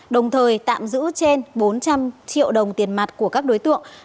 đồng thời tạm giữ trên bốn trăm linh triệu đồng tiền mặt của các đối tượng